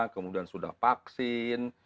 kemudian sudah vaksin